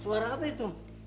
suara apa itu